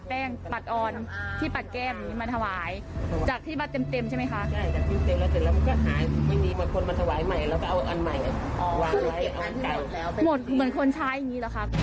เป็นไหนนี่